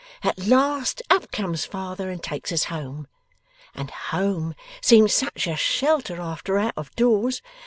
At last, up comes father and takes us home. And home seems such a shelter after out of doors!